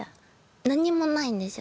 何にもないんですよ。